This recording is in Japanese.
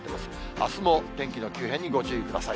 あすも天気の急変にご注意ください。